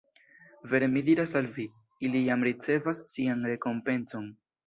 Vere mi diras al vi: Ili jam ricevas sian rekompencon.